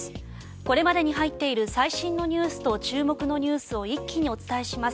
これまでに入っている最新ニュースと注目ニュースを一気にお伝えします。